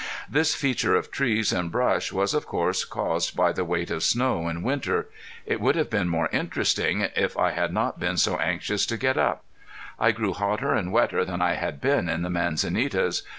This feature of tree and brush was of course caused by the weight of snow in winter. It would have been more interesting if I had not been so anxious to get up. I grew hotter and wetter than I had been in the manzanitas.